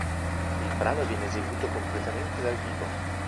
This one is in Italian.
Il brano viene eseguito completamente dal vivo.